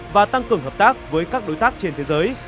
và tăng cường hợp tác với các đối tác trên thế giới